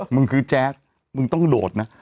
มึงคือแจ๊สมึงต้องโดดนะ